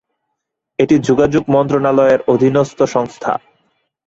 এটি যোগাযোগ মন্ত্রণালয়ের অধীনস্থ সংস্থা।